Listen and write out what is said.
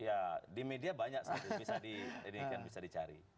ya di media banyak satu bisa ditinggalkan bisa dicari